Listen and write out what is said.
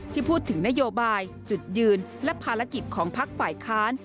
ที่พูดถึงนโยบายจุดยืนและภารกิจของพักฝ่ายค้าน